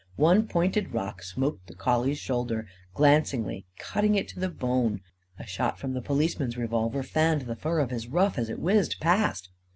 One pointed rock smote the collie's shoulder, glancingly, cutting it to the bone. A shot from the policeman's revolver fanned the fur of his ruff, as it whizzed past.